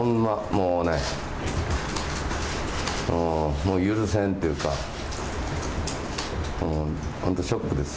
もうね許せんていうか、本当、ショックです。